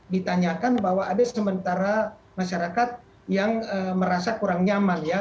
ditanyakan bahwa ada sementara masyarakat yang merasa kurang nyaman ya